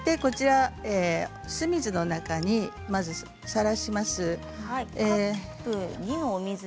酢水の中にさらします。